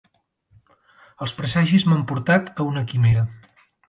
Els presagis m'han portat a una quimera.